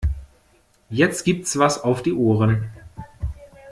Jetzt gibt's was auf die Ohren.